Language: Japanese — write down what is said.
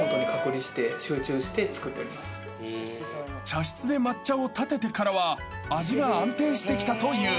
［茶室で抹茶をたててからは味が安定してきたという］